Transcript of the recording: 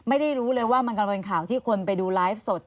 ไม่ได้รู้เลยว่ามันกำลังเป็นข่าวที่คนไปดูไลฟ์สด